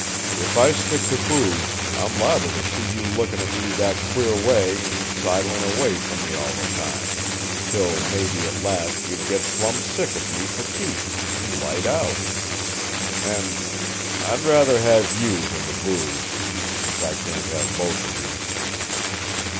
If I stick to booze, I'm li'ble to see you looking at me that queer way an' sidlin' away from me all the time; till maybe at last you'd get plumb sick of me for keeps, an' light out. An' I'd rather have YOU than the booze, since I can't have both of you.